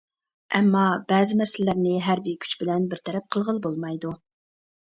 ئەمما، بەزى مەسىلىلەرنى ھەربىي كۈچ بىلەن بىر تەرەپ قىلغىلى بولمايدۇ.